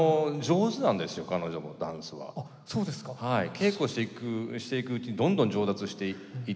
稽古していくうちにどんどん上達していってですね。